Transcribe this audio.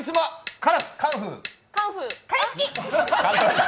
カラシキ。